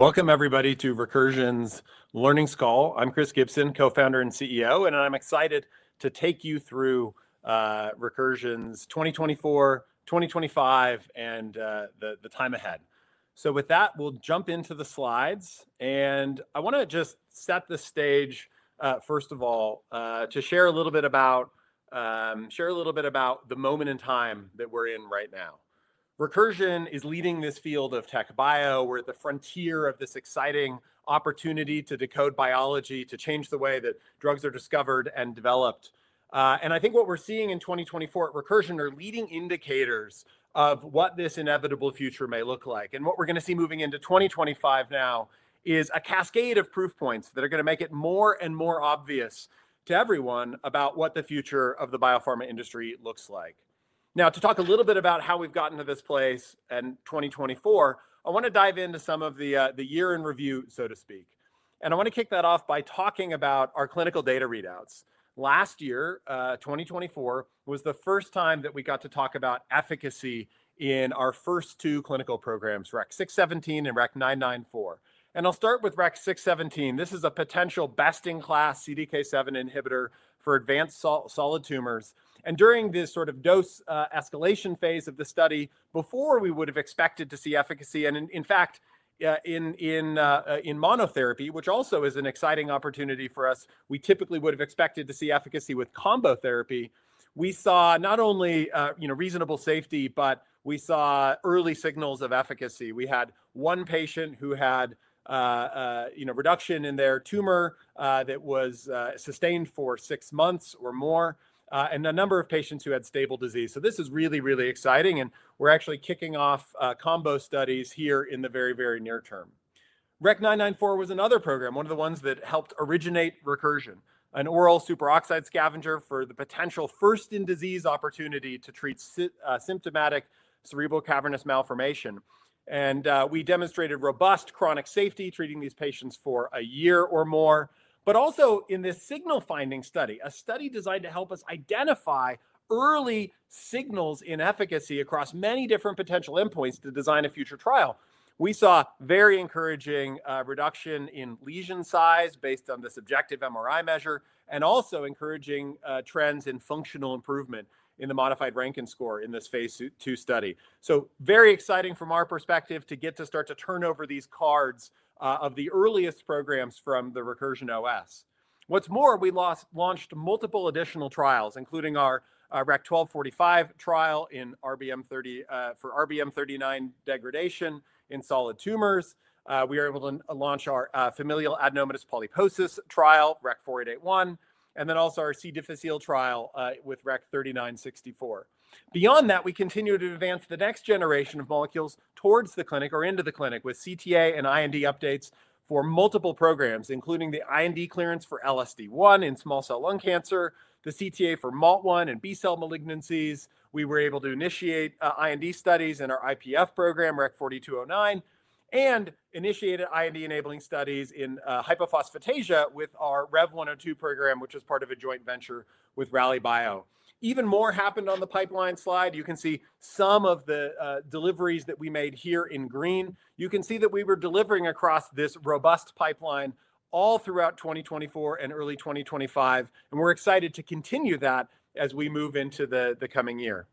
Welcome, everybody, to Recursion's Earnings Call. I'm Chris Gibson, Co-founder and CEO, and I'm excited to take you through Recursion's 2024, 2025, and the time ahead. So with that, we'll jump into the slides. And I want to just set the stage, first of all, to share a little bit about the moment in time that we're in right now. Recursion is leading this field of TechBio. We're at the frontier of this exciting opportunity to decode biology, to change the way that drugs are discovered and developed. And I think what we're seeing in 2024 at Recursion are leading indicators of what this inevitable future may look like. What we're going to see moving into 2025 now is a cascade of proof points that are going to make it more and more obvious to everyone about what the future of the biopharma industry looks like. Now, to talk a little bit about how we've gotten to this place in 2024, I want to dive into some of the year in review, so to speak. I want to kick that off by talking about our clinical data readouts. Last year, 2024, was the first time that we got to talk about efficacy in our first two clinical programs, REC-617 and REC-994. I'll start with REC-617. This is a potential best-in-class CDK7 inhibitor for advanced solid tumors. During this sort of dose escalation phase of the study, before we would have expected to see efficacy, and in fact, in monotherapy, which also is an exciting opportunity for us, we typically would have expected to see efficacy with combo therapy, we saw not only reasonable safety, but we saw early signals of efficacy. We had one patient who had reduction in their tumor that was sustained for six months or more, and a number of patients who had stable disease. This is really, really exciting. We're actually kicking off combo studies here in the very, very near term. REC-994 was another program, one of the ones that helped originate Recursion, an oral superoxide scavenger for the potential first-in-disease opportunity to treat symptomatic cerebral cavernous malformation. We demonstrated robust chronic safety treating these patients for a year or more. But also in this signal-finding study, a study designed to help us identify early signals in efficacy across many different potential endpoints to design a future trial, we saw very encouraging reduction in lesion size based on this objective MRI measure, and also encouraging trends in functional improvement in the Modified Rankin Score in this phase two study. So very exciting from our perspective to get to start to turn over these cards of the earliest programs from the Recursion OS. What's more, we launched multiple additional trials, including our REC-1245 trial in RBM39 degradation in solid tumors. We were able to launch our familial adenomatous polyposis trial, REC-4881, and then also our C. difficile trial with REC-3964. Beyond that, we continue to advance the next generation of molecules towards the clinic or into the clinic with CTA and IND updates for multiple programs, including the IND clearance for LSD1 in small cell lung cancer, the CTA for MALT1 and B cell malignancies. We were able to initiate IND studies in our IPF program, REC-4209, and initiated IND-enabling studies in hypophosphatasia with our REV-102 program, which is part of a joint venture with Rallybio. Even more happened on the pipeline slide. You can see some of the deliveries that we made here in green. You can see that we were delivering across this robust pipeline all throughout 2024 and early 2025. And we're excited to continue that as we move into the coming year.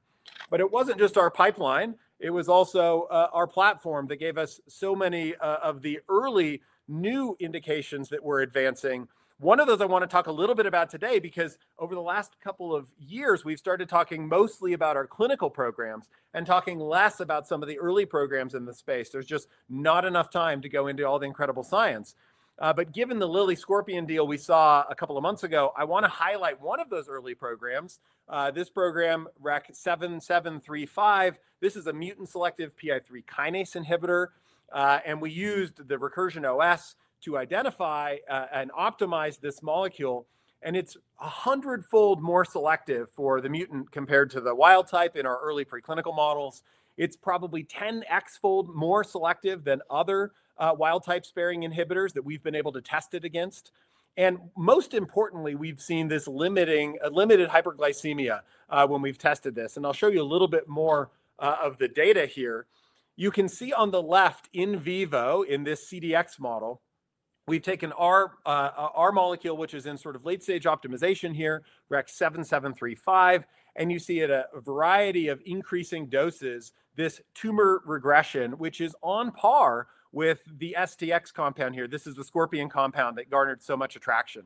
But it wasn't just our pipeline. It was also our platform that gave us so many of the early new indications that we're advancing. One of those I want to talk a little bit about today because over the last couple of years, we've started talking mostly about our clinical programs and talking less about some of the early programs in the space. There's just not enough time to go into all the incredible science. But given the Lilly Scorpion deal we saw a couple of months ago, I want to highlight one of those early programs, this program, REC-7735. This is a mutant-selective PI3 kinase inhibitor. And we used the Recursion OS to identify and optimize this molecule. And it's 100-fold more selective for the mutant compared to the wild type in our early preclinical models. It's probably 10x-fold more selective than other wild-type sparing inhibitors that we've been able to test it against. Most importantly, we've seen this limited hyperglycemia when we've tested this. I'll show you a little bit more of the data here. You can see on the left in vivo in this CDX model, we've taken our molecule, which is in sort of late-stage optimization here, REC-7735. You see a variety of increasing doses, this tumor regression, which is on par with the STX compound here. This is the Scorpion compound that garnered so much attention.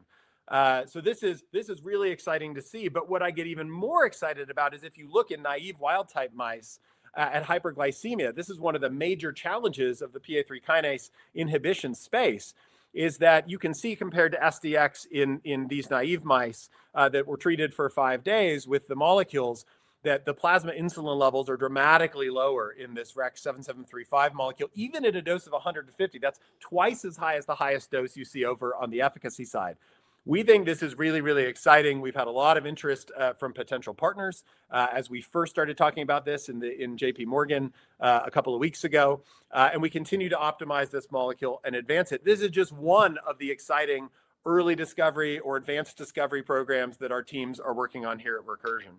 This is really exciting to see. But what I get even more excited about is if you look at naive wild-type mice at hyperglycemia, this is one of the major challenges of the PI3 kinase inhibition space, is that you can see compared to STX in these naive mice that were treated for five days with the molecules that the plasma insulin levels are dramatically lower in this REC-7735 molecule, even at a dose of 150. That's twice as high as the highest dose you see over on the efficacy side. We think this is really, really exciting. We've had a lot of interest from potential partners as we first started talking about this in JPMorgan a couple of weeks ago. And we continue to optimize this molecule and advance it. This is just one of the exciting early discovery or advanced discovery programs that our teams are working on here at Recursion.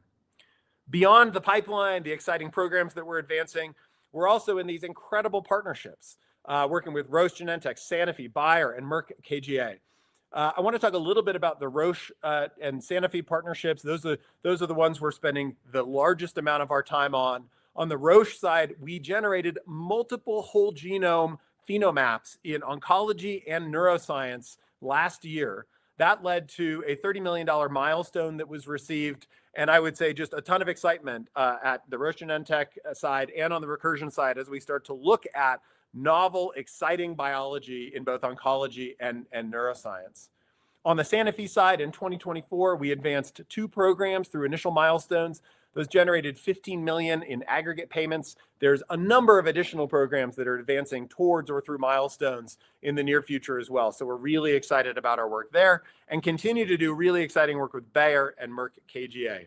Beyond the pipeline, the exciting programs that we're advancing, we're also in these incredible partnerships working with Roche Genentech, Sanofi, Bayer, and Merck KGaA. I want to talk a little bit about the Roche and Sanofi partnerships. Those are the ones we're spending the largest amount of our time on. On the Roche side, we generated multiple whole genome Phenomaps in oncology and neuroscience last year. That led to a $30 million milestone that was received. And I would say just a ton of excitement at the Roche Genentech side and on the Recursion side as we start to look at novel, exciting biology in both oncology and neuroscience. On the Sanofi side, in 2024, we advanced two programs through initial milestones. Those generated $15 million in aggregate payments. There's a number of additional programs that are advancing towards or through milestones in the near future as well. We're really excited about our work there and continue to do really exciting work with Bayer and Merck KGaA.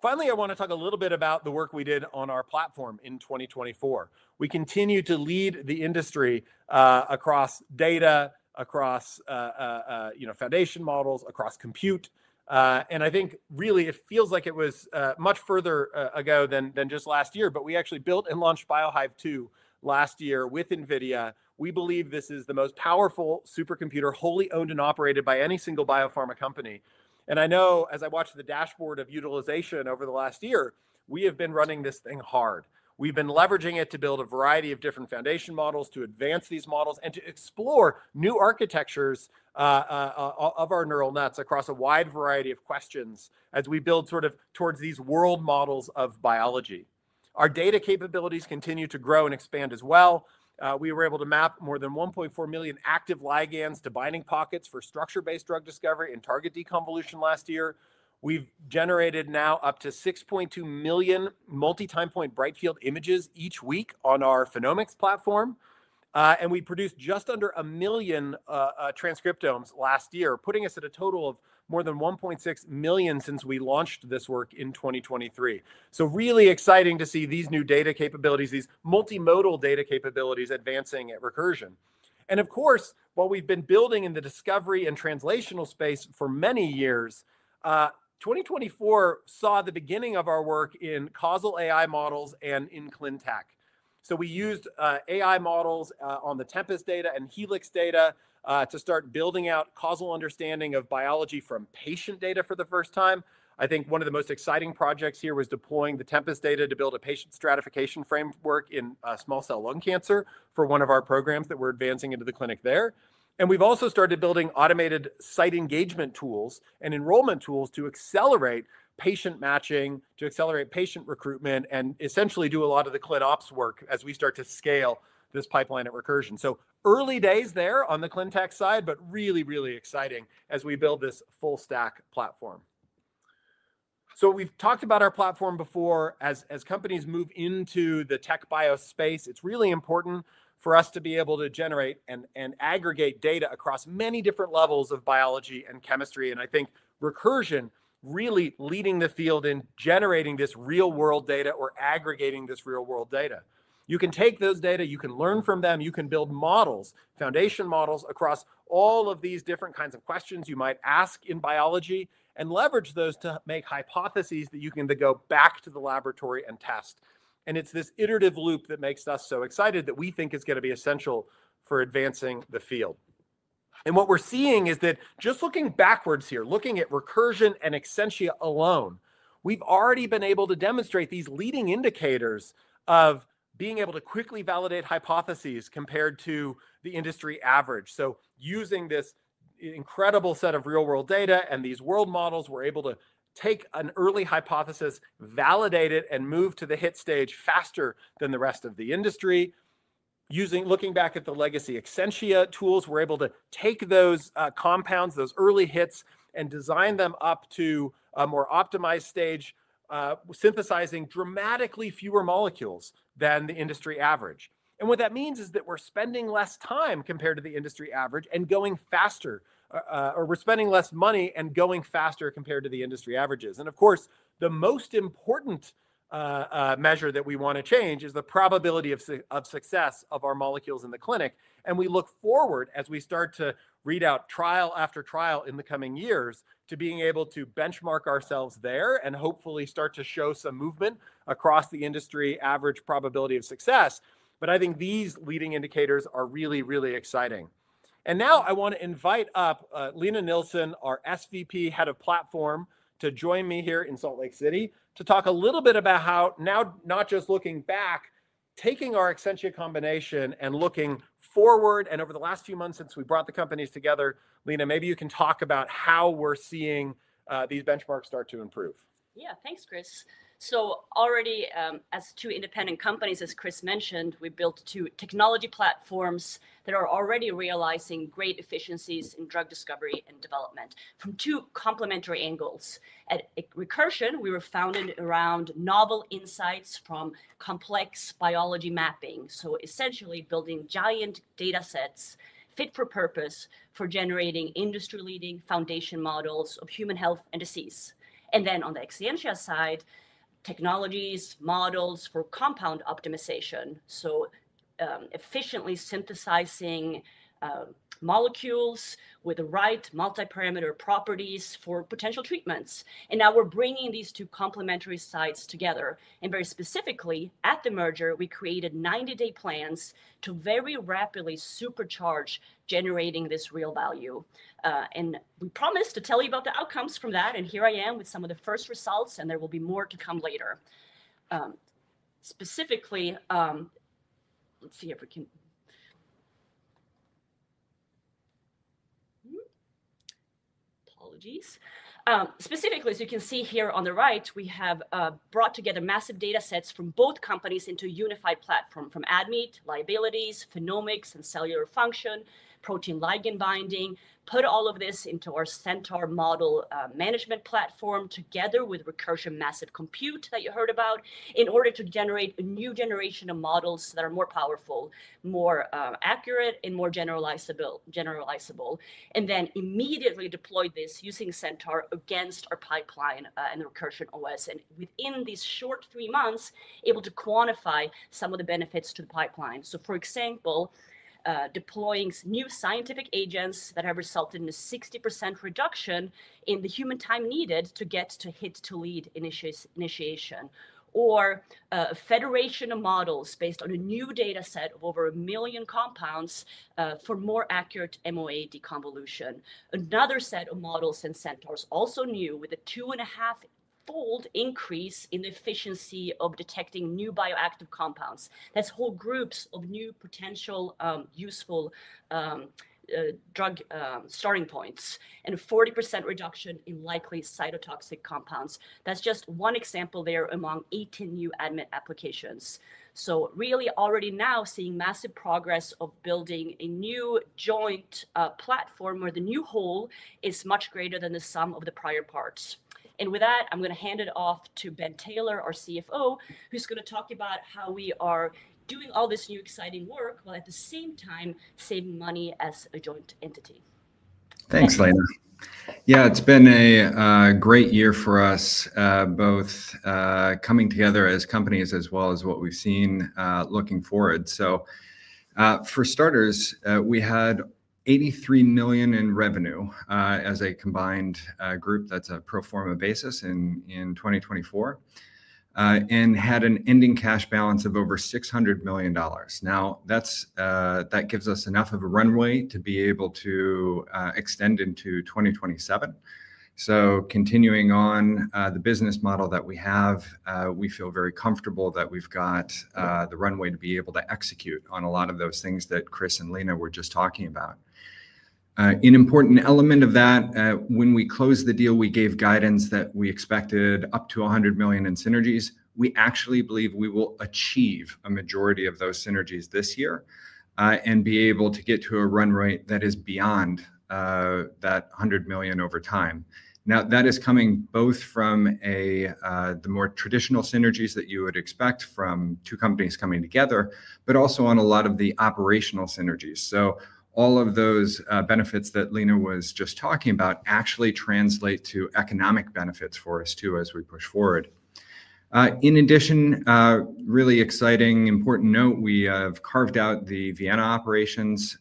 Finally, I want to talk a little bit about the work we did on our platform in 2024. We continue to lead the industry across data, across foundation models, across compute. And I think really it feels like it was much further ago than just last year, but we actually built and launched BioHive-2 last year with NVIDIA. We believe this is the most powerful supercomputer wholly owned and operated by any single biopharma company. And I know as I watched the dashboard of utilization over the last year, we have been running this thing hard. We've been leveraging it to build a variety of different foundation models, to advance these models, and to explore new architectures of our neural nets across a wide variety of questions as we build sort of towards these world models of biology. Our data capabilities continue to grow and expand as well. We were able to map more than 1.4 million active ligands to binding pockets for structure-based drug discovery and target deconvolution last year. We've generated now up to 6.2 million multi-time point bright field images each week on our Phenomics platform. And we produced just under a million transcriptomes last year, putting us at a total of more than 1.6 million since we launched this work in 2023, so really exciting to see these new data capabilities, these multimodal data capabilities advancing at Recursion. And of course, while we've been building in the discovery and translational space for many years, 2024 saw the beginning of our work in causal AI models and in ClinTech. So we used AI models on the Tempus data and Helix data to start building out causal understanding of biology from patient data for the first time. I think one of the most exciting projects here was deploying the Tempus data to build a patient stratification framework in small cell lung cancer for one of our programs that we're advancing into the clinic there. And we've also started building automated site engagement tools and enrollment tools to accelerate patient matching, to accelerate patient recruitment, and essentially do a lot of the ClinOps work as we start to scale this pipeline at Recursion. Early days there on the ClinTech side, but really, really exciting as we build this full-stack platform. We've talked about our platform before. As companies move into the TechBio space, it's really important for us to be able to generate and aggregate data across many different levels of biology and chemistry. I think Recursion really leading the field in generating this real-world data or aggregating this real-world data. You can take those data, you can learn from them, you can build models, foundation models across all of these different kinds of questions you might ask in biology and leverage those to make hypotheses that you can then go back to the laboratory and test. It's this iterative loop that makes us so excited that we think is going to be essential for advancing the field. What we're seeing is that just looking backwards here, looking at Recursion and Exscientia alone, we've already been able to demonstrate these leading indicators of being able to quickly validate hypotheses compared to the industry average. Using this incredible set of real-world data and these world models, we're able to take an early hypothesis, validate it, and move to the hit stage faster than the rest of the industry. Looking back at the legacy Exscientia tools, we're able to take those compounds, those early hits, and design them up to a more optimized stage, synthesizing dramatically fewer molecules than the industry average. What that means is that we're spending less time compared to the industry average and going faster, or we're spending less money and going faster compared to the industry averages. And of course, the most important measure that we want to change is the probability of success of our molecules in the clinic. And we look forward as we start to read out trial after trial in the coming years to being able to benchmark ourselves there and hopefully start to show some movement across the industry average probability of success. But I think these leading indicators are really, really exciting. And now I want to invite up Lina Nilsson, our SVP, Head of Platform, to join me here in Salt Lake City to talk a little bit about how now, not just looking back, taking our Exscientia combination and looking forward. And over the last few months since we brought the companies together, Lina, maybe you can talk about how we're seeing these benchmarks start to improve. Yeah, thanks, Chris. So already, as two independent companies, as Chris mentioned, we built two technology platforms that are already realizing great efficiencies in drug discovery and development from two complementary angles. At Recursion, we were founded around novel insights from complex biology mapping. So essentially building giant data sets fit for purpose for generating industry-leading foundation models of human health and disease. And then on the Exscientia side, technologies, models for compound optimization. So efficiently synthesizing molecules with the right multi-parameter properties for potential treatments. And now we're bringing these two complementary sites together. And very specifically, at the merger, we created 90-day plans to very rapidly supercharge generating this real value. And we promised to tell you about the outcomes from that. And here I am with some of the first results. And there will be more to come later. Specifically, let's see if we can apologies. Specifically, as you can see here on the right, we have brought together massive data sets from both companies into a unified platform from ADMET, libraries, Phenomics, and cellular function, protein ligand binding, put all of this into our Centaur model management platform together with Recursion Massive Compute that you heard about in order to generate a new generation of models that are more powerful, more accurate, and more generalizable. And then immediately deployed this using Centaur against our pipeline and the Recursion OS. And within these short three months, able to quantify some of the benefits to the pipeline. So for example, deploying new scientific agents that have resulted in a 60% reduction in the human time needed to get to hit-to-lead initiation. Or a federation of models based on a new data set of over a million compounds for more accurate MOA deconvolution. Another set of models in Centaur is also new with a two-and-a-half-fold increase in the efficiency of detecting new bioactive compounds. That's whole groups of new potential useful drug starting points and a 40% reduction in likely cytotoxic compounds. That's just one example there among 18 new ADMET applications. Really already now seeing massive progress of building a new joint platform where the new whole is much greater than the sum of the prior parts. With that, I'm going to hand it off to Ben Taylor, our CFO, who's going to talk about how we are doing all this new exciting work while at the same time saving money as a joint entity. Thanks, Lina. Yeah, it's been a great year for us, both coming together as companies as well as what we've seen looking forward. So for starters, we had $83 million in revenue as a combined group. That's a pro forma basis in 2024 and had an ending cash balance of over $600 million. Now, that gives us enough of a runway to be able to extend into 2027. So continuing on the business model that we have, we feel very comfortable that we've got the runway to be able to execute on a lot of those things that Chris and Lina were just talking about. An important element of that, when we closed the deal, we gave guidance that we expected up to $100 million in synergies. We actually believe we will achieve a majority of those synergies this year and be able to get to a run rate that is beyond that $100 million over time. Now, that is coming both from the more traditional synergies that you would expect from two companies coming together, but also on a lot of the operational synergies, so all of those benefits that Lina was just talking about actually translate to economic benefits for us too as we push forward. In addition, really exciting, important note, we have carved out the Vienna operations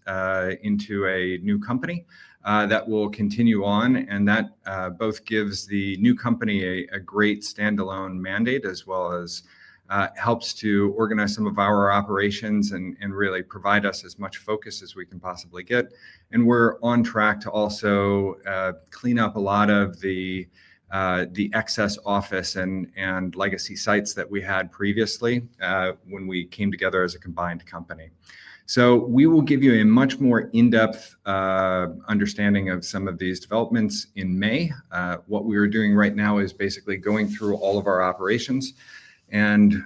into a new company that will continue on, and that both gives the new company a great standalone mandate as well as helps to organize some of our operations and really provide us as much focus as we can possibly get, and we're on track to also clean up a lot of the excess office and legacy sites that we had previously when we came together as a combined company. So we will give you a much more in-depth understanding of some of these developments in May. What we are doing right now is basically going through all of our operations and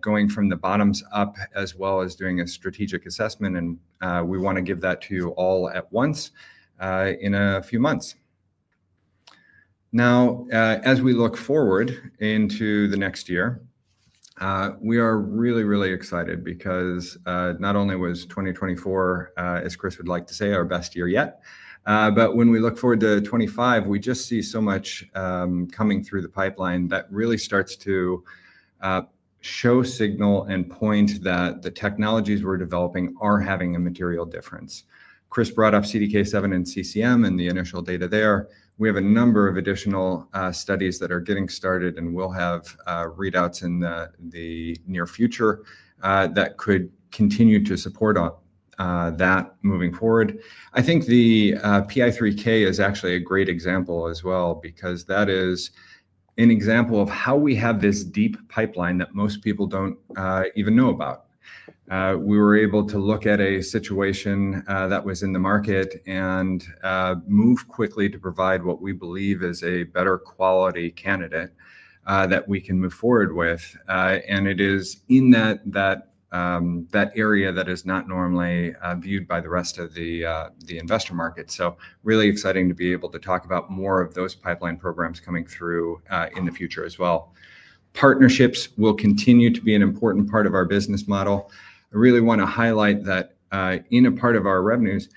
going from the bottom up as well as doing a strategic assessment. And we want to give that to you all at once in a few months. Now, as we look forward into the next year, we are really, really excited because not only was 2024, as Chris would like to say, our best year yet, but when we look forward to 2025, we just see so much coming through the pipeline that really starts to show signal and point that the technologies we're developing are having a material difference. Chris brought up CDK7 and CCM and the initial data there. We have a number of additional studies that are getting started and will have readouts in the near future that could continue to support that moving forward. I think the PI3K is actually a great example as well because that is an example of how we have this deep pipeline that most people don't even know about. We were able to look at a situation that was in the market and move quickly to provide what we believe is a better quality candidate that we can move forward with, and it is in that area that is not normally viewed by the rest of the investor market, so really exciting to be able to talk about more of those pipeline programs coming through in the future as well. Partnerships will continue to be an important part of our business model. I really want to highlight that in a part of our revenues,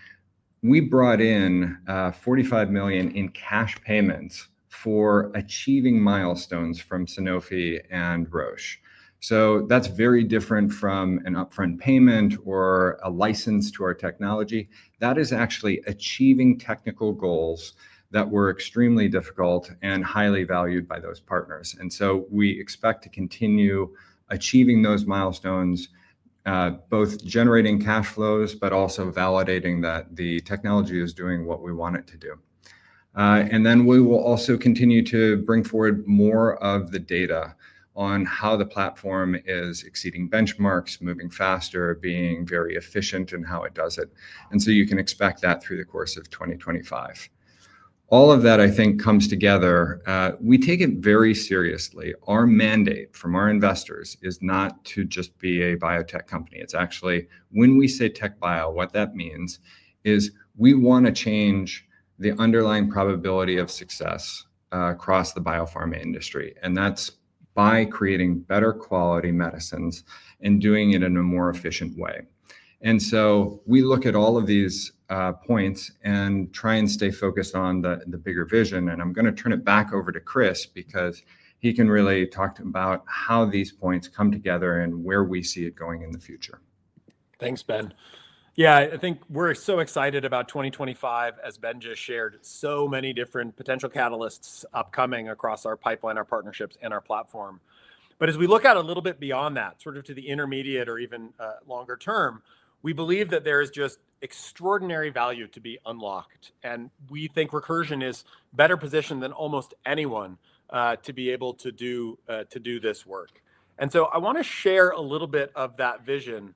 we brought in $45 million in cash payments for achieving milestones from Sanofi and Roche. So that's very different from an upfront payment or a license to our technology. That is actually achieving technical goals that were extremely difficult and highly valued by those partners. And so we expect to continue achieving those milestones, both generating cash flows, but also validating that the technology is doing what we want it to do. And then we will also continue to bring forward more of the data on how the platform is exceeding benchmarks, moving faster, being very efficient in how it does it. And so you can expect that through the course of 2025. All of that, I think, comes together. We take it very seriously. Our mandate from our investors is not to just be a biotech company. It's actually when we say tech bio, what that means is we want to change the underlying probability of success across the biopharma industry. And that's by creating better quality medicines and doing it in a more efficient way. And so we look at all of these points and try and stay focused on the bigger vision. And I'm going to turn it back over to Chris because he can really talk to him about how these points come together and where we see it going in the future. Thanks, Ben. Yeah, I think we're so excited about 2025, as Ben just shared, so many different potential catalysts upcoming across our pipeline, our partnerships, and our platform. But as we look out a little bit beyond that, sort of to the intermediate or even longer term, we believe that there is just extraordinary value to be unlocked. And we think Recursion is better positioned than almost anyone to be able to do this work. And so I want to share a little bit of that vision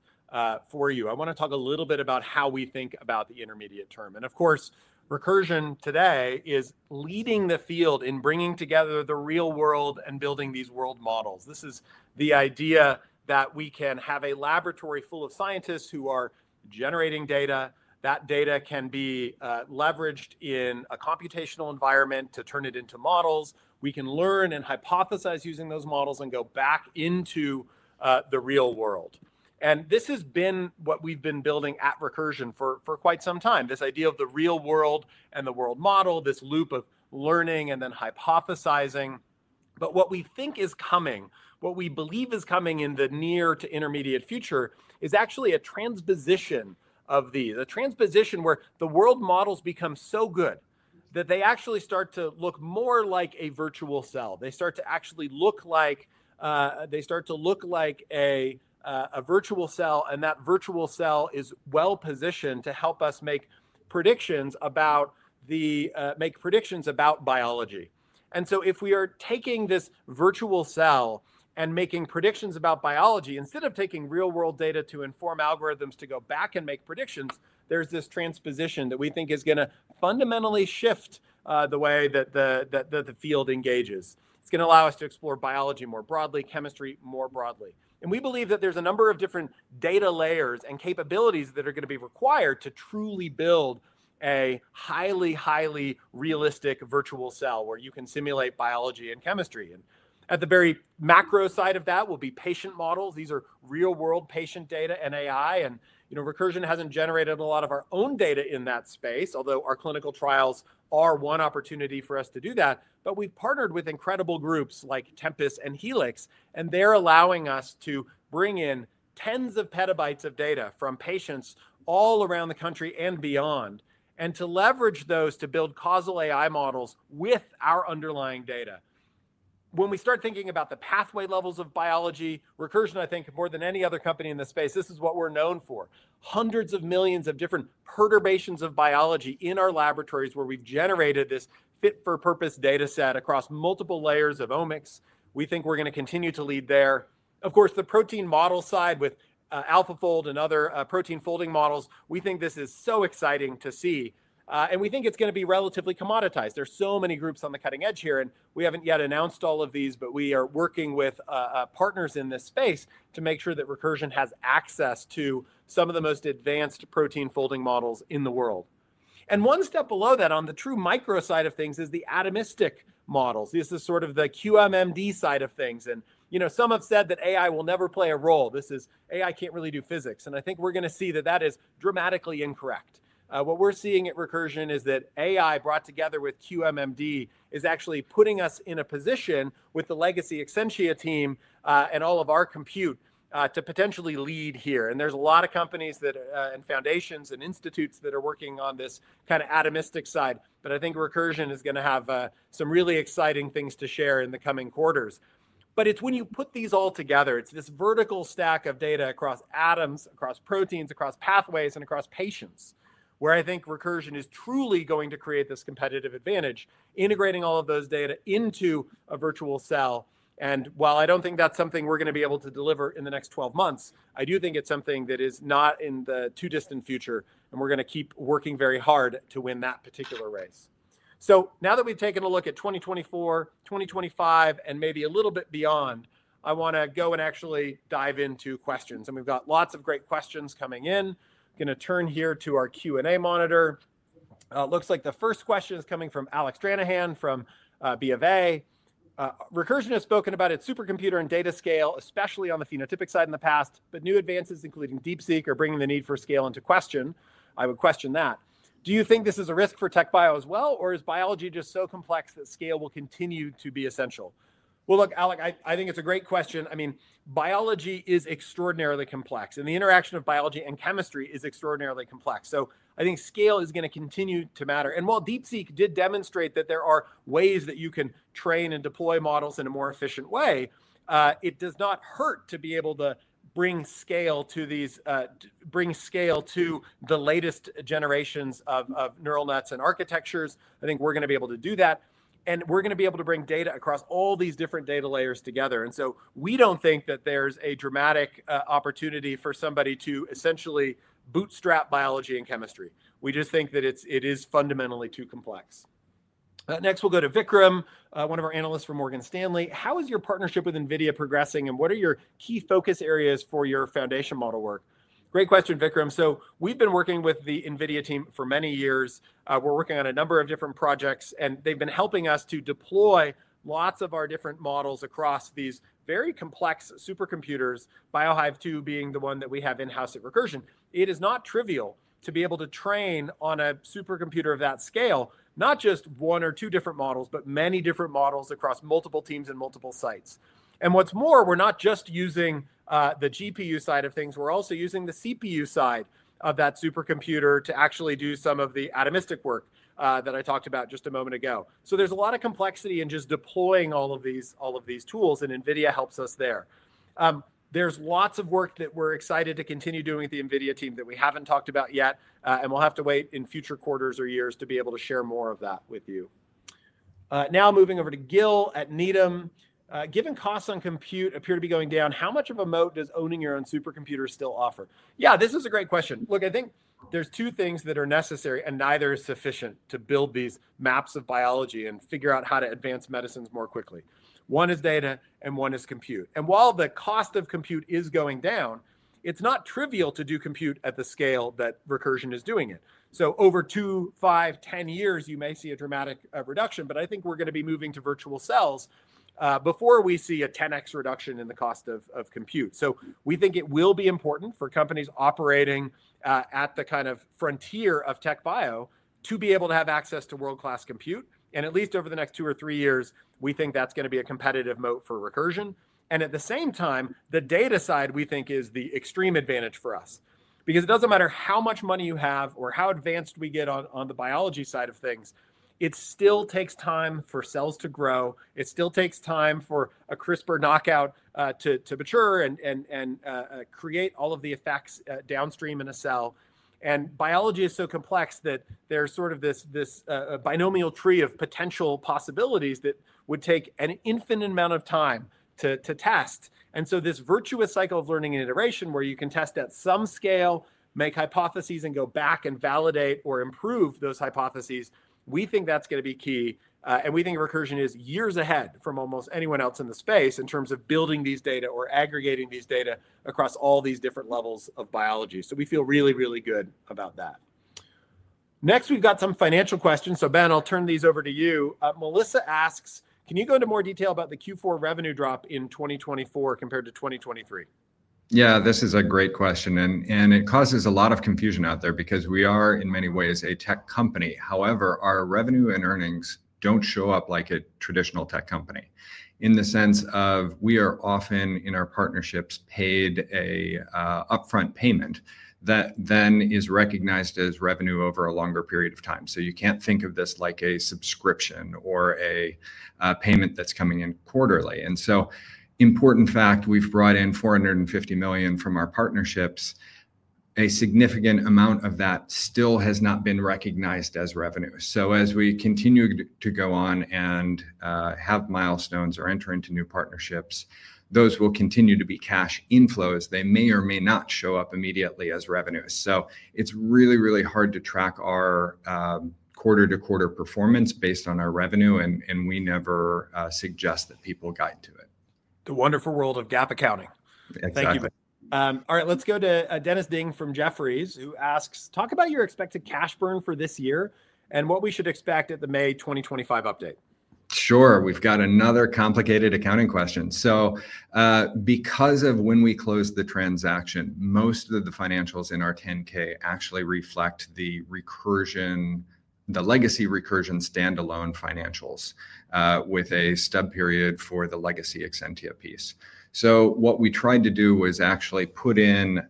for you. I want to talk a little bit about how we think about the intermediate term. And of course, Recursion today is leading the field in bringing together the real world and building these world models. This is the idea that we can have a laboratory full of scientists who are generating data. That data can be leveraged in a computational environment to turn it into models. We can learn and hypothesize using those models and go back into the real world. And this has been what we've been building at Recursion for quite some time, this idea of the real world and the world model, this loop of learning and then hypothesizing. But what we think is coming, what we believe is coming in the near to intermediate future is actually a transposition of these, a transposition where the world models become so good that they actually start to look more like a virtual cell. They start to actually look like a virtual cell. And that virtual cell is well positioned to help us make predictions about biology. And so if we are taking this virtual cell and making predictions about biology, instead of taking real-world data to inform algorithms to go back and make predictions, there's this transposition that we think is going to fundamentally shift the way that the field engages. It's going to allow us to explore biology more broadly, chemistry more broadly. And we believe that there's a number of different data layers and capabilities that are going to be required to truly build a highly, highly realistic virtual cell where you can simulate biology and chemistry. And at the very macro side of that will be patient models. These are real-world patient data and AI. And Recursion hasn't generated a lot of our own data in that space, although our clinical trials are one opportunity for us to do that. But we've partnered with incredible groups like Tempus and Helix. And they're allowing us to bring in tens of petabytes of data from patients all around the country and beyond and to leverage those to build causal AI models with our underlying data. When we start thinking about the pathway levels of biology, Recursion, I think more than any other company in this space, this is what we're known for. Hundreds of millions of different perturbations of biology in our laboratories where we've generated this fit-for-purpose data set across multiple layers of omics. We think we're going to continue to lead there. Of course, the protein model side with AlphaFold and other protein folding models, we think this is so exciting to see, and we think it's going to be relatively commoditized. There's so many groups on the cutting edge here, and we haven't yet announced all of these, but we are working with partners in this space to make sure that Recursion has access to some of the most advanced protein folding models in the world, and one step below that on the true micro side of things is the atomistic models. This is sort of the QM/MD side of things, and some have said that AI will never play a role. This is, AI can't really do physics. And I think we're going to see that that is dramatically incorrect. What we're seeing at Recursion is that AI brought together with QM/MD is actually putting us in a position with the legacy Exscientia team and all of our compute to potentially lead here. And there's a lot of companies and foundations and institutes that are working on this kind of atomistic side. But I think Recursion is going to have some really exciting things to share in the coming quarters. But it's when you put these all together. It's this vertical stack of data across atoms, across proteins, across pathways, and across patients where I think Recursion is truly going to create this competitive advantage, integrating all of those data into a virtual cell. While I don't think that's something we're going to be able to deliver in the next 12 months, I do think it's something that is not in the too distant future. We're going to keep working very hard to win that particular race. Now that we've taken a look at 2024, 2025, and maybe a little bit beyond, I want to go and actually dive into questions. We've got lots of great questions coming in. I'm going to turn here to our Q&A monitor. It looks like the first question is coming from Alec Stranahan from Bank of America. Recursion has spoken about its supercomputer and data scale, especially on the phenotypic side in the past. But new advances, including DeepSeek, are bringing the need for scale into question. I would question that. Do you think this is a risk for tech bio as well, or is biology just so complex that scale will continue to be essential? Well, look, Alec, I think it's a great question. I mean, biology is extraordinarily complex. And the interaction of biology and chemistry is extraordinarily complex. So I think scale is going to continue to matter. And while DeepSeek did demonstrate that there are ways that you can train and deploy models in a more efficient way, it does not hurt to be able to bring scale to the latest generations of neural nets and architectures. I think we're going to be able to do that. And we're going to be able to bring data across all these different data layers together. And so we don't think that there's a dramatic opportunity for somebody to essentially bootstrap biology and chemistry. We just think that it is fundamentally too complex. Next, we'll go to Vikram, one of our analysts from Morgan Stanley. How is your partnership with NVIDIA progressing, and what are your key focus areas for your foundation model work? Great question, Vikram. So we've been working with the NVIDIA team for many years. We're working on a number of different projects. And they've been helping us to deploy lots of our different models across these very complex supercomputers, BioHive-2 being the one that we have in-house at Recursion. It is not trivial to be able to train on a supercomputer of that scale, not just one or two different models, but many different models across multiple teams and multiple sites. And what's more, we're not just using the GPU side of things. We're also using the CPU side of that supercomputer to actually do some of the atomistic work that I talked about just a moment ago. So there's a lot of complexity in just deploying all of these tools, and NVIDIA helps us there. There's lots of work that we're excited to continue doing with the NVIDIA team that we haven't talked about yet, and we'll have to wait in future quarters or years to be able to share more of that with you. Now moving over to Gil at Needham. Given costs on compute appear to be going down, how much of a moat does owning your own supercomputer still offer? Yeah, this is a great question. Look, I think there's two things that are necessary, and neither is sufficient to build these maps of biology and figure out how to advance medicines more quickly. One is data, and one is compute. While the cost of compute is going down, it's not trivial to do compute at the scale that Recursion is doing it. So over two, five, 10 years, you may see a dramatic reduction. But I think we're going to be moving to virtual cells before we see a 10x reduction in the cost of compute. We think it will be important for companies operating at the kind of frontier of tech bio to be able to have access to world-class compute. At least over the next two or three years, we think that's going to be a competitive moat for Recursion. At the same time, the data side, we think, is the extreme advantage for us. Because it doesn't matter how much money you have or how advanced we get on the biology side of things, it still takes time for cells to grow. It still takes time for a CRISPR knockout to mature and create all of the effects downstream in a cell. And biology is so complex that there's sort of this binomial tree of potential possibilities that would take an infinite amount of time to test. And so this virtuous cycle of learning and iteration, where you can test at some scale, make hypotheses, and go back and validate or improve those hypotheses, we think that's going to be key. And we think Recursion is years ahead from almost anyone else in the space in terms of building these data or aggregating these data across all these different levels of biology. So we feel really, really good about that. Next, we've got some financial questions. So Ben, I'll turn these over to you. Melissa asks, Can you go into more detail about the Q4 revenue drop in 2024 compared to 2023? Yeah, this is a great question. And it causes a lot of confusion out there because we are, in many ways, a tech company. However, our revenue and earnings don't show up like a traditional tech company in the sense of we are often in our partnerships paid an upfront payment that then is recognized as revenue over a longer period of time. So you can't think of this like a subscription or a payment that's coming in quarterly. And so important fact, we've brought in $450 million from our partnerships. A significant amount of that still has not been recognized as revenue. As we continue to go on and have milestones or enter into new partnerships, those will continue to be cash inflows. They may or may not show up immediately as revenue. It's really, really hard to track our quarter-to-quarter performance based on our revenue. We never suggest that people guide to it. The wonderful world of GAAP accounting. Thank you. All right, let's go to Dennis Ding from Jefferies, who asks, talk about your expected cash burn for this year and what we should expect at the May 2025 update. Sure. We've got another complicated accounting question. Because of when we closed the transaction, most of the financials in our 10-K actually reflect the legacy Recursion standalone financials with a stub period for the legacy Exscientia piece. So what we tried to do was actually put in,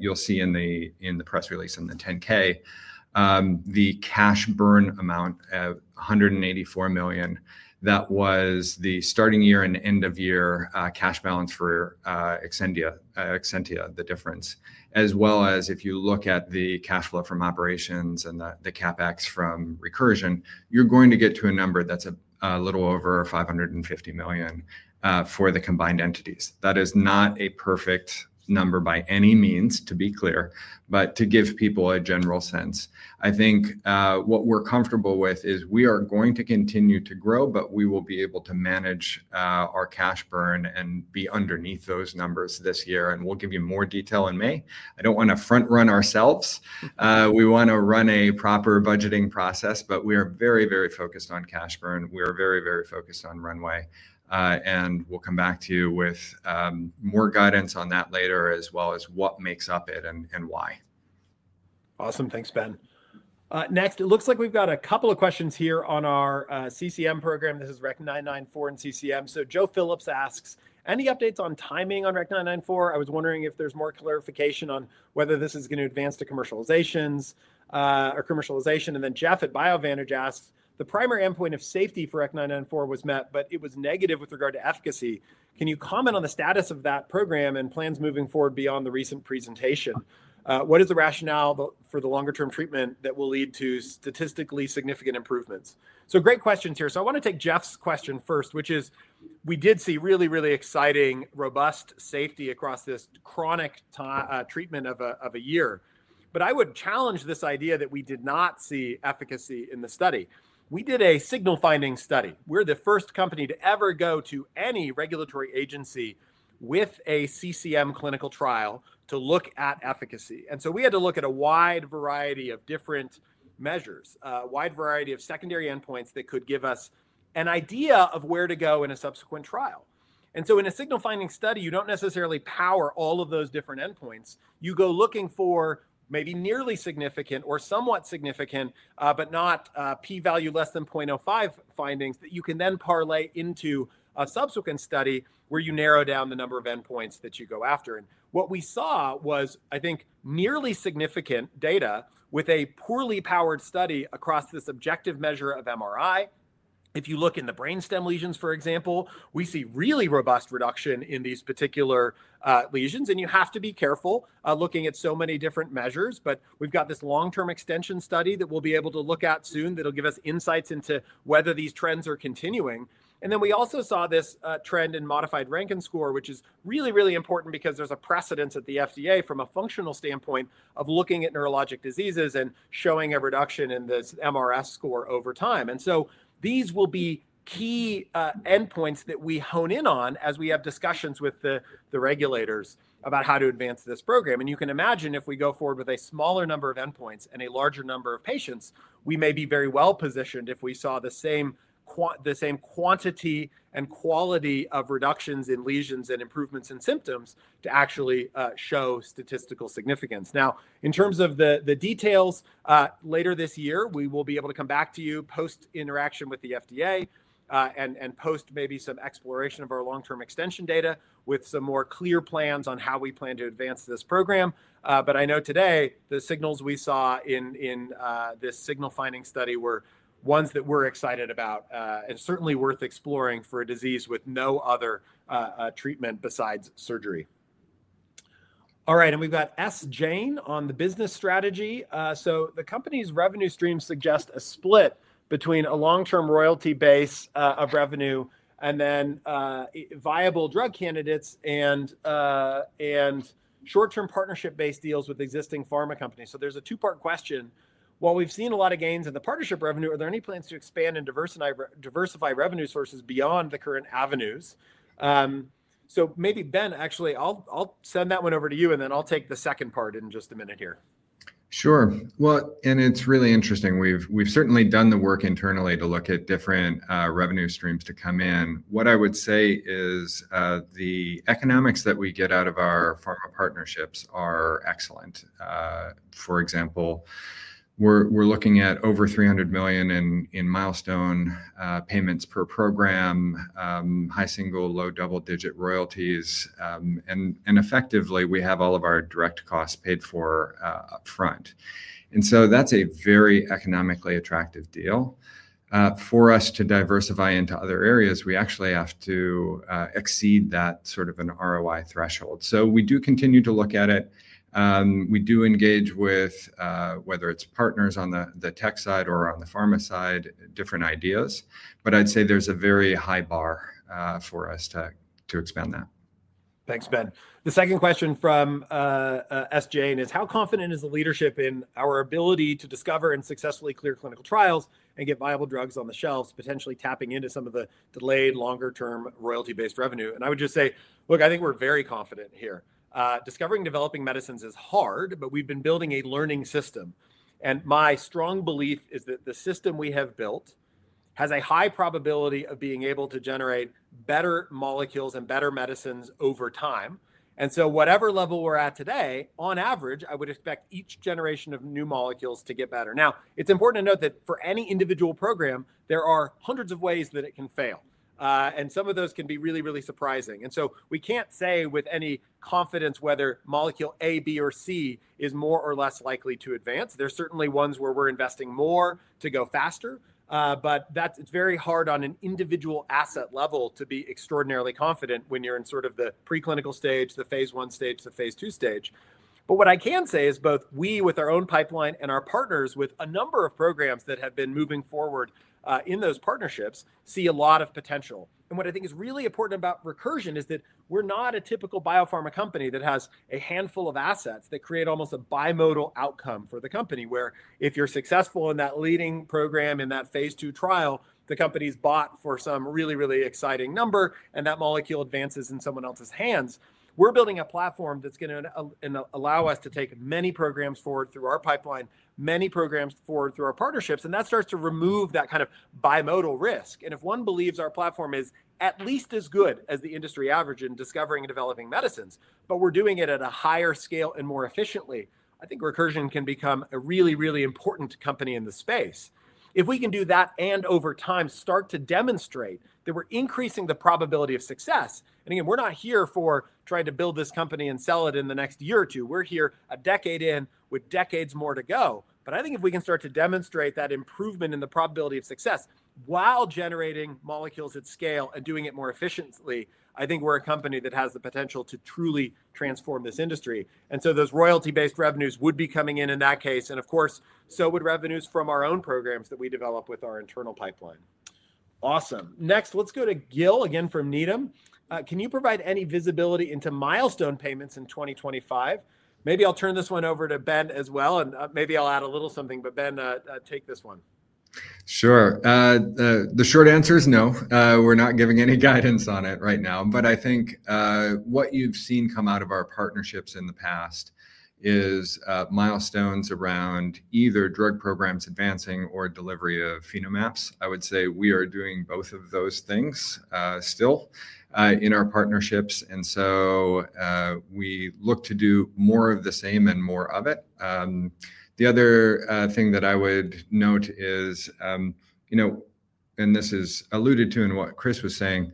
you'll see in the press release in the 10-K, the cash burn amount of $184 million. That was the starting year and end-of-year cash balance for Exscientia, the difference. As well as if you look at the cash flow from operations and the CapEx from Recursion, you're going to get to a number that's a little over $550 million for the combined entities. That is not a perfect number by any means, to be clear. But to give people a general sense, I think what we're comfortable with is we are going to continue to grow, but we will be able to manage our cash burn and be underneath those numbers this year. And we'll give you more detail in May. I don't want to front-run ourselves. We want to run a proper budgeting process. But we are very, very focused on cash burn. We are very, very focused on runway. And we'll come back to you with more guidance on that later, as well as what makes up it and why. Awesome. Thanks, Ben. Next, it looks like we've got a couple of questions here on our CCM program. This is REC-994 and CCM. So Joe Phillips asks, any updates on timing on REC-994? I was wondering if there's more clarification on whether this is going to advance to commercialization. And then Jeff at BioVantage asks, the primary endpoint of safety for REC-994 was met, but it was negative with regard to efficacy. Can you comment on the status of that program and plans moving forward beyond the recent presentation? What is the rationale for the longer-term treatment that will lead to statistically significant improvements? So great questions here. So I want to take Jeff's question first, which is, we did see really, really exciting, robust safety across this chronic treatment of a year. But I would challenge this idea that we did not see efficacy in the study. We did a signal-finding study. We're the first company to ever go to any regulatory agency with a CCM clinical trial to look at efficacy. And so we had to look at a wide variety of different measures, a wide variety of secondary endpoints that could give us an idea of where to go in a subsequent trial. And so in a signal-finding study, you don't necessarily power all of those different endpoints. You go looking for maybe nearly significant or somewhat significant, but not p-value less than 0.05 findings that you can then parlay into a subsequent study where you narrow down the number of endpoints that you go after. And what we saw was, I think, nearly significant data with a poorly powered study across this objective measure of MRI. If you look in the brainstem lesions, for example, we see really robust reduction in these particular lesions. And you have to be careful looking at so many different measures. But we've got this long-term extension study that we'll be able to look at soon that'll give us insights into whether these trends are continuing. And then we also saw this trend in Modified Rankin Score, which is really, really important because there's a precedent at the FDA from a functional standpoint of looking at neurologic diseases and showing a reduction in this mRS score over time. And so these will be key endpoints that we hone in on as we have discussions with the regulators about how to advance this program. And you can imagine if we go forward with a smaller number of endpoints and a larger number of patients, we may be very well positioned if we saw the same quantity and quality of reductions in lesions and improvements in symptoms to actually show statistical significance. Now, in terms of the details, later this year, we will be able to come back to you post-interaction with the FDA and post maybe some exploration of our long-term extension data with some more clear plans on how we plan to advance this program. But I know today the signals we saw in this signal-finding study were ones that we're excited about and certainly worth exploring for a disease with no other treatment besides surgery. All right. And we've got S. Jane on the business strategy. So the company's revenue streams suggest a split between a long-term royalty base of revenue and then viable drug candidates and short-term partnership-based deals with existing pharma companies. So there's a two-part question. While we've seen a lot of gains in the partnership revenue, are there any plans to expand and diversify revenue sources beyond the current avenues? Maybe, Ben, actually, I'll send that one over to you. Then I'll take the second part in just a minute here. Sure. It's really interesting. We've certainly done the work internally to look at different revenue streams to come in. What I would say is the economics that we get out of our pharma partnerships are excellent. For example, we're looking at over $300 million in milestone payments per program, high single, low double-digit royalties. And effectively, we have all of our direct costs paid for upfront. And so that's a very economically attractive deal. For us to diversify into other areas, we actually have to exceed that sort of an ROI threshold. We do continue to look at it. We do engage with, whether it's partners on the tech side or on the pharma side, different ideas. I'd say there's a very high bar for us to expand that. Thanks, Ben. The second question from S. Jane is, how confident is the leadership in our ability to discover and successfully clear clinical trials and get viable drugs on the shelves, potentially tapping into some of the delayed longer-term royalty-based revenue? I would just say, look, I think we're very confident here. Discovering and developing medicines is hard. We've been building a learning system. My strong belief is that the system we have built has a high probability of being able to generate better molecules and better medicines over time. Whatever level we're at today, on average, I would expect each generation of new molecules to get better. Now, it's important to note that for any individual program, there are hundreds of ways that it can fail. Some of those can be really, really surprising. We can't say with any confidence whether molecule A, B, or C is more or less likely to advance. There's certainly ones where we're investing more to go faster. It's very hard on an individual asset level to be extraordinarily confident when you're in sort of the preclinical stage, the phase one stage, the phase two stage. What I can say is both we with our own pipeline and our partners with a number of programs that have been moving forward in those partnerships see a lot of potential. And what I think is really important about Recursion is that we're not a typical biopharma company that has a handful of assets that create almost a bimodal outcome for the company, where if you're successful in that leading program in that phase two trial, the company's bought for some really, really exciting number, and that molecule advances in someone else's hands. We're building a platform that's going to allow us to take many programs forward through our pipeline, many programs forward through our partnerships. And that starts to remove that kind of bimodal risk. And if one believes our platform is at least as good as the industry average in discovering and developing medicines, but we're doing it at a higher scale and more efficiently, I think Recursion can become a really, really important company in the space. If we can do that and over time start to demonstrate that we're increasing the probability of success. And again, we're not here for trying to build this company and sell it in the next year or two. We're here a decade in with decades more to go. But I think if we can start to demonstrate that improvement in the probability of success while generating molecules at scale and doing it more efficiently, I think we're a company that has the potential to truly transform this industry. And so those royalty-based revenues would be coming in in that case. And of course, so would revenues from our own programs that we develop with our internal pipeline. Awesome. Next, let's go to Gil again from Needham. Can you provide any visibility into milestone payments in 2025? Maybe I'll turn this one over to Ben as well. Maybe I'll add a little something. Ben, take this one. Sure. The short answer is no. We're not giving any guidance on it right now. I think what you've seen come out of our partnerships in the past is milestones around either drug programs advancing or delivery of Phenomaps. I would say we are doing both of those things still in our partnerships. We look to do more of the same and more of it. The other thing that I would note is, and this is alluded to in what Chris was saying,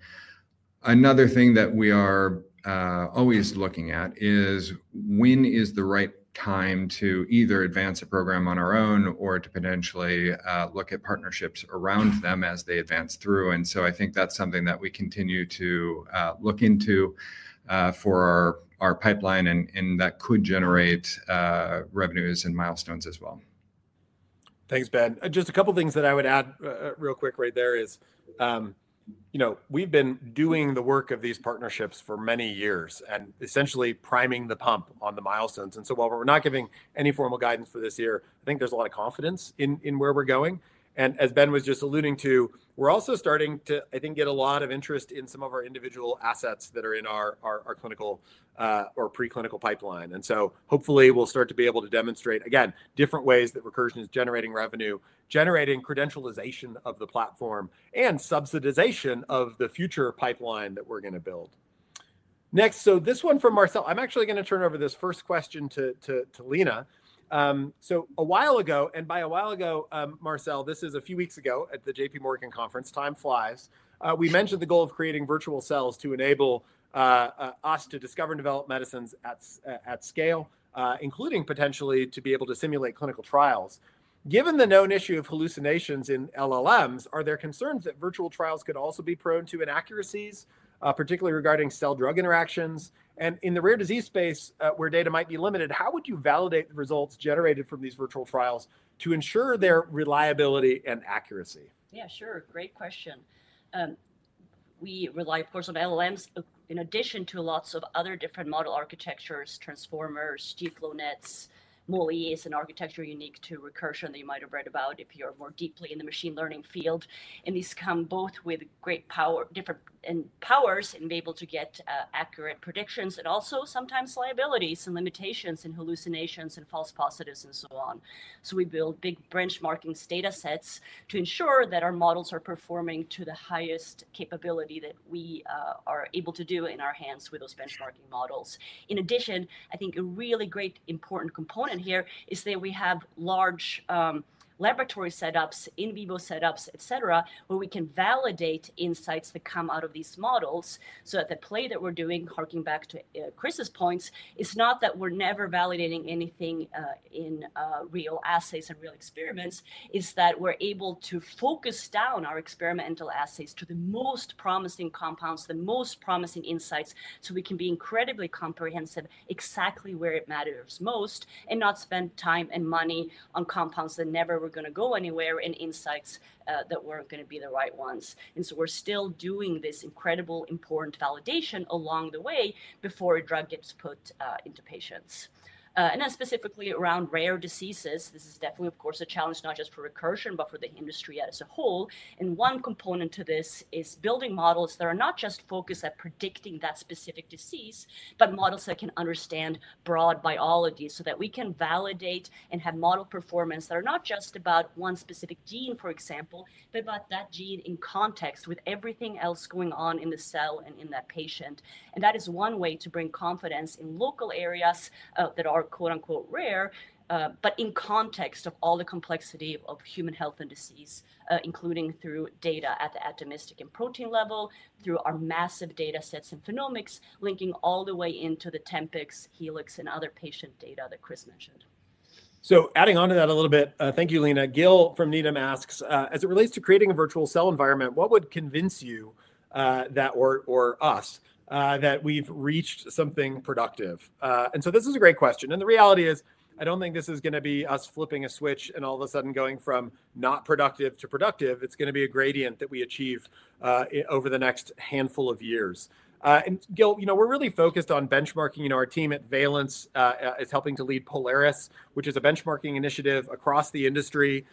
another thing that we are always looking at is when is the right time to either advance a program on our own or to potentially look at partnerships around them as they advance through. I think that's something that we continue to look into for our pipeline. And that could generate revenues and milestones as well. Thanks, Ben. Just a couple of things that I would add real quick right there is we've been doing the work of these partnerships for many years and essentially priming the pump on the milestones. And so while we're not giving any formal guidance for this year, I think there's a lot of confidence in where we're going. And as Ben was just alluding to, we're also starting to, I think, get a lot of interest in some of our individual assets that are in our clinical or preclinical pipeline. And so hopefully, we'll start to be able to demonstrate, again, different ways that Recursion is generating revenue, generating credentialization of the platform, and subsidization of the future pipeline that we're going to build. Next, so this one from Marc. I'm actually going to turn over this first question to Lina. So a while ago, and by a while ago, Marcel, this is a few weeks ago at the JPMorgan Conference. Time flies. We mentioned the goal of creating virtual cells to enable us to discover and develop medicines at scale, including potentially to be able to simulate clinical trials. Given the known issue of hallucinations in LLMs, are there concerns that virtual trials could also be prone to inaccuracies, particularly regarding cell-drug interactions? And in the rare disease space, where data might be limited, how would you validate the results generated from these virtual trials to ensure their reliability and accuracy? Yeah, sure. Great question. We rely, of course, on LLMs in addition to lots of other different model architectures, transformers, deep neural nets, MoEs, and architecture unique to Recursion that you might have read about if you're more deeply in the machine learning field. And these come both with great powers and be able to get accurate predictions and also sometimes liabilities and limitations and hallucinations and false positives and so on. So we build big benchmarking data sets to ensure that our models are performing to the highest capability that we are able to do in our hands with those benchmarking models. In addition, I think a really great important component here is that we have large laboratory setups, in vivo setups, et cetera, where we can validate insights that come out of these models so that the play that we're doing, harking back to Chris's points, is not that we're never validating anything in real assays and real experiments. It's that we're able to focus down our experimental assays to the most promising compounds, the most promising insights, so we can be incredibly comprehensive exactly where it matters most and not spend time and money on compounds that never were going to go anywhere and insights that weren't going to be the right ones. And so we're still doing this incredibly important validation along the way before a drug gets put into patients. And then specifically around rare diseases, this is definitely, of course, a challenge not just for Recursion, but for the industry as a whole. One component to this is building models that are not just focused at predicting that specific disease, but models that can understand broad biology so that we can validate and have model performance that are not just about one specific gene, for example, but about that gene in context with everything else going on in the cell and in that patient. And that is one way to bring confidence in local areas that are "rare," but in context of all the complexity of human health and disease, including through data at the atomistic and protein level, through our massive data sets and phenomics, linking all the way into the Tempus, Helix, and other patient data that Chris mentioned. Adding on to that a little bit, thank you, Lina. Gil from Needham asks, as it relates to creating a virtual cell environment, what would convince you or us that we've reached something productive? And so this is a great question. And the reality is, I don't think this is going to be us flipping a switch and all of a sudden going from not productive to productive. It's going to be a gradient that we achieve over the next handful of years. And Gil, we're really focused on benchmarking. Our team at Valence is helping to lead Polaris, which is a benchmarking initiative across the industry.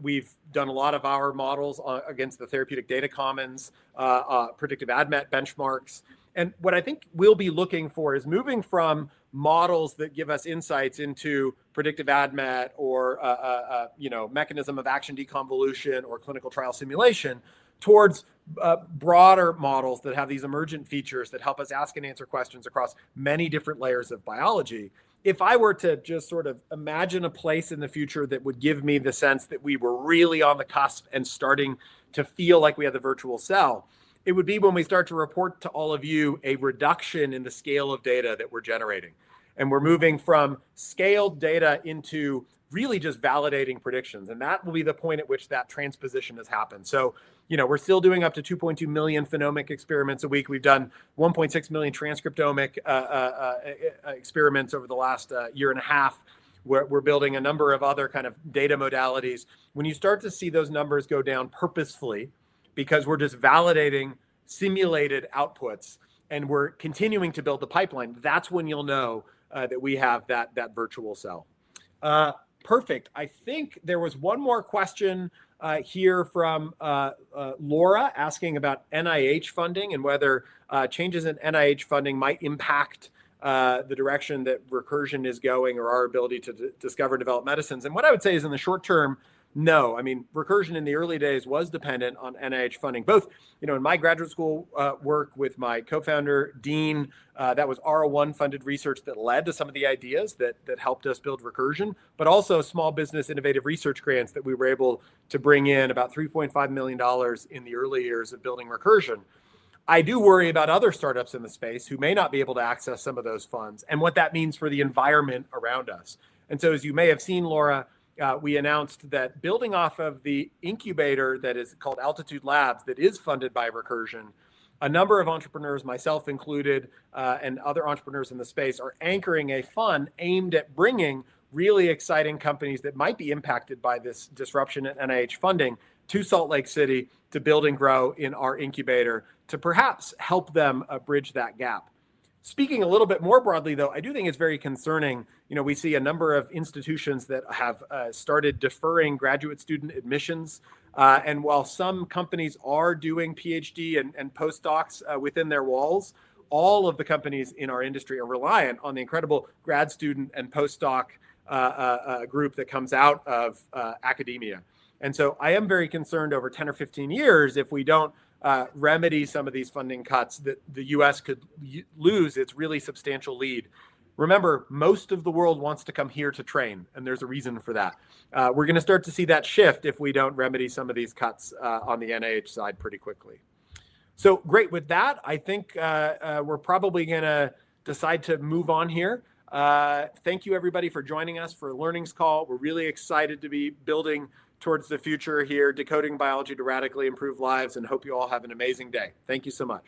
We've done a lot of our models against the Therapeutics Data Commons, predictive ADMET benchmarks. And what I think we'll be looking for is moving from models that give us insights into predictive ADMET or mechanism of action deconvolution or clinical trial simulation towards broader models that have these emergent features that help us ask and answer questions across many different layers of biology. If I were to just sort of imagine a place in the future that would give me the sense that we were really on the cusp and starting to feel like we had the virtual cell, it would be when we start to report to all of you a reduction in the scale of data that we're generating. And we're moving from scaled data into really just validating predictions. And that will be the point at which that transposition has happened. So we're still doing up to 2.2 million phenomic experiments a week. We've done 1.6 million transcriptomic experiments over the last year and a half. We're building a number of other kind of data modalities. When you start to see those numbers go down purposefully because we're just validating simulated outputs and we're continuing to build the pipeline, that's when you'll know that we have that virtual cell. Perfect. I think there was one more question here from Laura asking about NIH funding and whether changes in NIH funding might impact the direction that Recursion is going or our ability to discover and develop medicines. What I would say is in the short term, no. I mean, Recursion in the early days was dependent on NIH funding, both in my graduate school work with my co-founder, Dean. That was R01-funded research that led to some of the ideas that helped us build Recursion, but also Small Business Innovation Research grants that we were able to bring in about $3.5 million in the early years of building Recursion. I do worry about other startups in the space who may not be able to access some of those funds and what that means for the environment around us. And so as you may have seen, Laura, we announced that building off of the incubator that is called Altitude Lab that is funded by Recursion, a number of entrepreneurs, myself included and other entrepreneurs in the space, are anchoring a fund aimed at bringing really exciting companies that might be impacted by this disruption in NIH funding to Salt Lake City to build and grow in our incubator to perhaps help them bridge that gap. Speaking a little bit more broadly, though, I do think it's very concerning. We see a number of institutions that have started deferring graduate student admissions. And while some companies are doing PhD and postdocs within their walls, all of the companies in our industry are reliant on the incredible grad student and postdoc group that comes out of academia. And so I am very concerned over 10 or 15 years if we don't remedy some of these funding cuts that the U.S. could lose its really substantial lead. Remember, most of the world wants to come here to train. And there's a reason for that. We're going to start to see that shift if we don't remedy some of these cuts on the NIH side pretty quickly. So great. With that, I think we're probably going to decide to move on here. Thank you, everybody, for joining us for a earnings call. We're really excited to be building towards the future here, decoding biology to radically improve lives, and hope you all have an amazing day. Thank you so much.